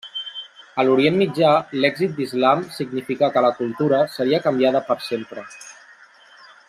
A l'Orient Mitjà, l'èxit d'Islam significà que la cultura seria canviada per sempre.